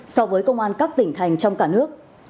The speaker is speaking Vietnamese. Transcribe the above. so với công an các tỉnh thành trong cả nước